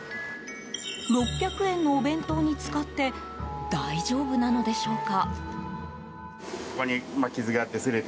６００円のお弁当に使って大丈夫なのでしょうか。